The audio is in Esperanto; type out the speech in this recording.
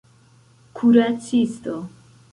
kuracisto